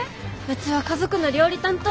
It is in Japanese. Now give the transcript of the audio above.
うちは家族の料理担当。